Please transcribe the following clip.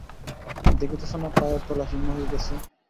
দেখিতেছ না পায়ের তলা হিম হইয়া গেছে।